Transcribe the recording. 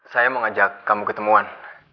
saya mau ngajak kamu ketemuan